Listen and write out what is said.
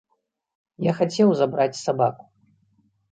Я хацеў забраць сабаку.